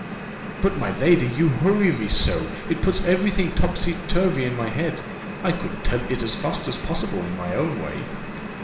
"But, my lady, you hurry me so, it puts every thing topsy turvy in my head; I could tell it as fast as possible my own way."